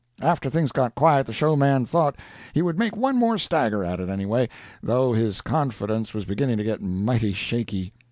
"After things got quiet the showman thought he would make one more stagger at it, anyway, though his confidence was beginning to get mighty shaky.